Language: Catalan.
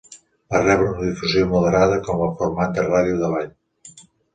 Va rebre una difusió moderada com a format de ràdio de ball.